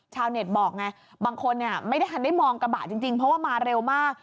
ชาวเน็ตบอกไงบางคนไม่ทันได้มองกระบะจริงเพราะว่ามาเร็วมาก